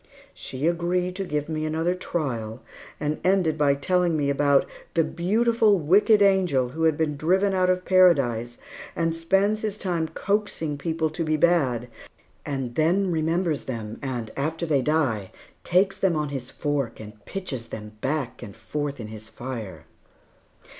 She agreed to give me another trial and ended by telling me about the "beautiful, wicked angel who had been driven out of paradise, and spends his time coaxing people to be bad, and then remembers them, and after they die, takes them on his fork and pitches them back and forth in his fire."